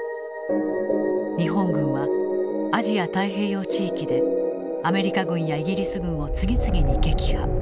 日本軍はアジア・太平洋地域でアメリカ軍やイギリス軍を次々に撃破。